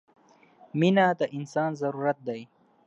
• مینه د انسان ضرورت دی.